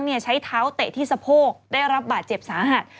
ใช้เท้าเตะที่สะโพกได้รับบาดเจ็บสาหัส